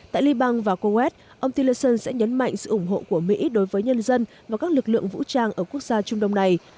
tại liban và kuwait ông teleson sẽ nhấn mạnh sự ủng hộ của mỹ đối với nhân dân và các lực lượng vũ trang ở quốc gia trung đông này